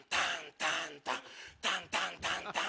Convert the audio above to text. タンタンタンタンタン。